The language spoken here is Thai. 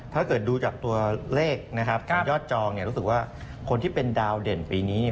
ถ้าเกิดดูจากตัวเลขนะครับของยอดจองรู้สึกว่าคนที่เป็นดาวเด่นปีนี้